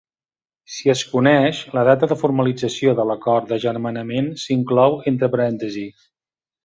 Si es coneix, la data de formalització de l'acord d'agermanament s'inclou entre parèntesis.